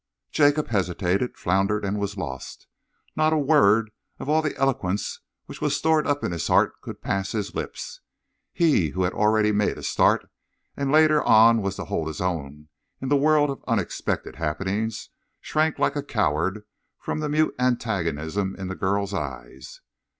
Jacob hesitated, floundered and was lost. Not a word of all the eloquence which was stored up in his heart could pass his lips. He who had already made a start, and later on was to hold his own in the world of unexpected happenings, shrank like a coward from the mute antagonism in the girl's eyes.